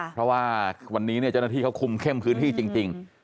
เพราะว่าวันนี้เจ้าหน้าที่เขาคุมเข้มพื้นที่จริง